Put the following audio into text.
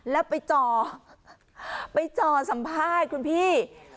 แล้วไปจ่อไปจ่อสัมภาษณ์คุณพี่